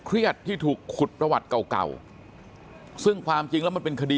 เครียดที่ถูกขุดประวัติเก่าเก่าซึ่งความจริงแล้วมันเป็นคดี